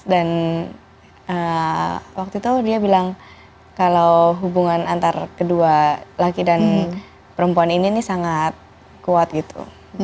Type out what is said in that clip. dan waktu itu dia bilang kalau hubungan antara kedua laki dan perempuan ini sangat kuat gitu